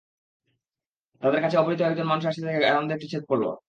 তাদের কাছে অপরিচিত একজন মানুষ আসতে দেখে আনন্দে একটু ছেদ পড়ল।